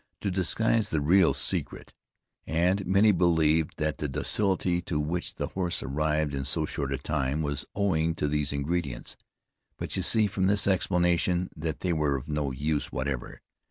to disguise the real secret, and many believed that the docility to which the horse arrived in so short a time, was owing to these ingredients; but you see from this explanation that they were of no use whatever.